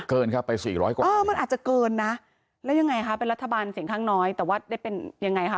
เกินครับไปสี่ร้อยกว่าเออมันอาจจะเกินนะแล้วยังไงคะเป็นรัฐบาลเสียงข้างน้อยแต่ว่าได้เป็นยังไงคะ